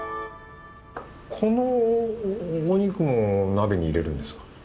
このお肉も鍋に入れるんですか？